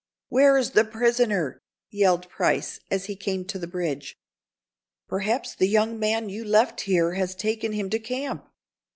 "Where is the prisoner?" yelled Price, as he came to the bridge. "Perhaps the young man you left here has taken him to camp."